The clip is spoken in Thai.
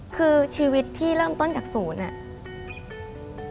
คือชีวิตที่เริ่มต้นจากศูนย์อะ